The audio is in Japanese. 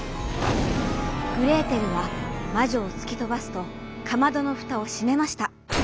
グレーテルはまじょをつきとばすとかまどのふたをしめました。